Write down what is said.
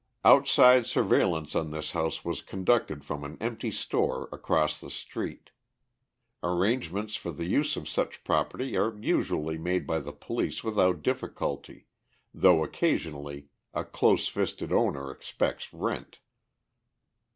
Outside surveillance on this house was conducted from an empty store across the street. Arrangements for the use of such property are usually made by the police without difficulty, though occasionally a close fisted owner expects rent.